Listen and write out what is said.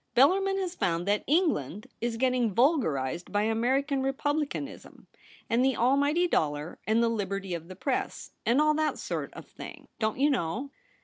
' Bellarmin has found that England is getting vulgarized by American Repub licanism and the almighty dollar and the liberty of the press, and all that sort of thing, don't you know.